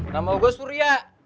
nama gua surya